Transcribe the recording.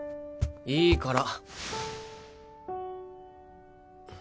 いいから。